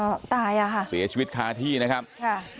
ก็ตายอ่ะค่ะเสียชีวิตคาที่นะครับค่ะ